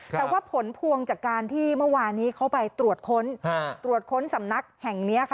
แต่ว่าผลพวงจากการที่เมื่อวานี้เขาไปตรวจค้นตรวจค้นสำนักแห่งนี้ค่ะ